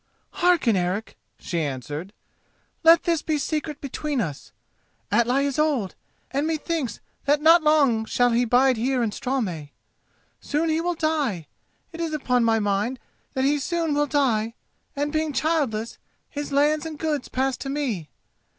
"Hearken, Eric," she answered. "Let this be secret between us. Atli is old, and methinks that not for long shall he bide here in Straumey. Soon he will die; it is upon my mind that he soon will die, and, being childless, his lands and goods pass to me.